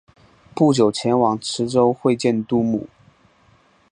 不久前往池州会见杜牧。